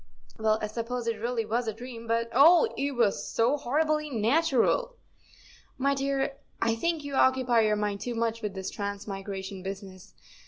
" Well, I suppose it really was a dream, but, oh! it was so horribly natural." " My dear, I think you occupy your mind too much with this transmigration business.